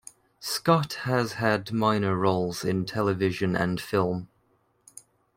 Scott has had minor roles in television and film.